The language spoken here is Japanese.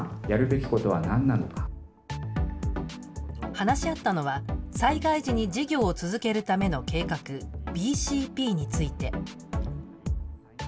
話し合ったのは災害時に事業を続けるための計画、ＢＣＰについて。